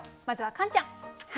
まずはカンちゃん。